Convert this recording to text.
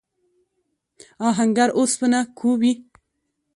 آهنګر اوسپنه کوبي.